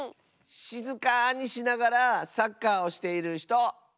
しずかにしながらサッカーをしているひと。